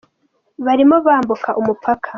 Barimo bambuka umupaka.